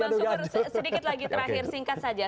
bang sukur sedikit lagi terakhir singkat saja